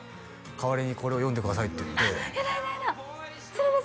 「代わりにこれを読んでください」って言ってやだやだやだ